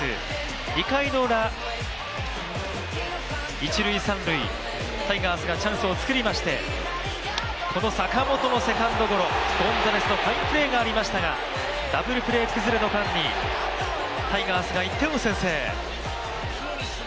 ２回のウラ、一・三塁タイガースがチャンスを作りまして、坂本のこのセカンドゴロゴンザレスのファインプレーがありましたが、ダブルプレー崩れの間にタイガースが１点を先制。